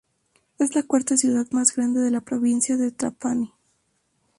Es la cuarta ciudad más grande de la provincia de Trapani.